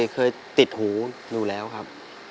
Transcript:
เคยติดหูอยู่แล้วครับ